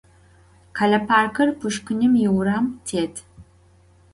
Khele parkır Puşşkinım yiuram têt.